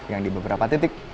yang di beberapa titik